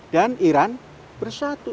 dan iran bersatu